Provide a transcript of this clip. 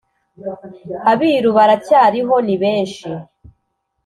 Abiru baracyariho ni benshi